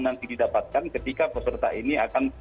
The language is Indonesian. nanti didapatkan ketika peserta ini akan